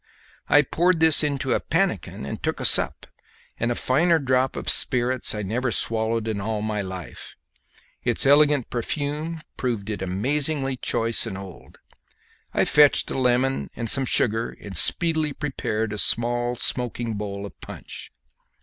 I poured this into a pannikin and took a sup, and a finer drop of spirits I never swallowed in all my life; its elegant perfume proved it amazingly choice and old. I fetched a lemon and some sugar and speedily prepared a small smoking bowl of punch.